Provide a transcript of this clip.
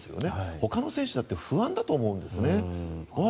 ほかの選手だって不安だと思うんですね。